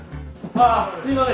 ああすいません。